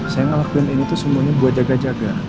saya ngelakuin ini tuh semuanya buat jaga jaga